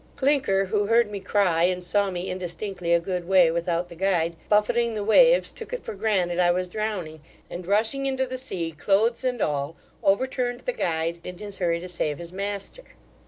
Clinker, who heard me cry, and saw me indistinctly a good way without the guide, buffetting the waves, took it for granted I was drowning, and rushing into the sea, clothes and all, overturned the guide in his hurry to save his master.